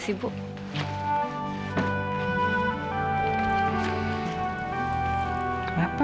semuanya sudah saya fahamkan